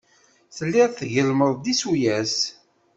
Telliḍ tgellmeḍ-d isuyas.